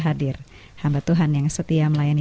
mari berjalan ke sion